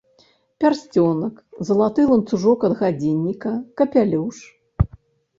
Пярсцёнак, залаты ланцужок ад гадзінніка, капялюш.